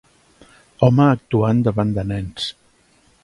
Home actuant davant de nens.